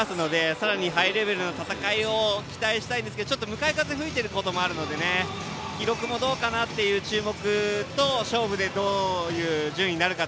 さらにハイレベルな戦いを期待したいですけど向かい風が吹いているので記録もどうかなという注目と勝負でどういう順位になるか。